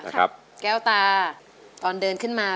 มาพบกับแก้วตานะครับนักสู้ชีวิตสู้งาน